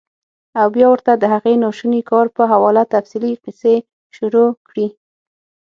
او بيا ورته د هغې ناشوني کار پۀ حواله تفصيلي قيصې شورو کړي -